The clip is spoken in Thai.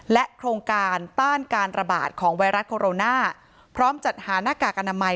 โครงการต้านการระบาดของไวรัสโคโรนาพร้อมจัดหาหน้ากากอนามัย